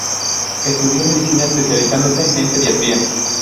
Estudió medicina especializándose en Pediatría.